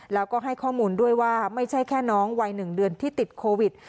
แล้วก็ให้ข้อมูลด้วยว่าไม่ใช่แค่น้องวัย๑เดือนที่ติดโควิด